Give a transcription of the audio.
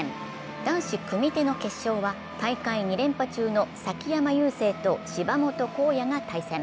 男子組手の決勝は大会２連覇中の崎山優成と芝本航矢が対戦。